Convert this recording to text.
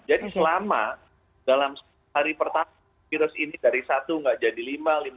jadi selama dalam hari pertama virus ini dari satu nggak jadi lupa